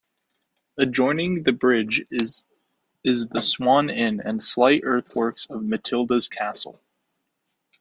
Adjoining the bridge is the Swan Inn and slight earthworks of Matilda's Castle.